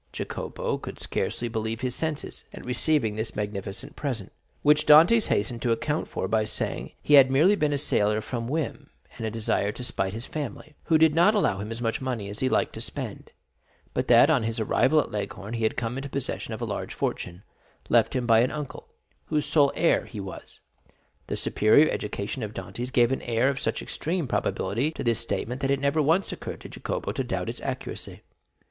Jacopo could scarcely believe his senses at receiving this magnificent present, which Dantès hastened to account for by saying that he had merely been a sailor from whim and a desire to spite his family, who did not allow him as much money as he liked to spend; but that on his arrival at Leghorn he had come into possession of a large fortune, left him by an uncle, whose sole heir he was. The superior education of Dantès gave an air of such extreme probability to this statement that it never once occurred to Jacopo to doubt its accuracy.